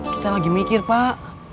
kita lagi mikir pak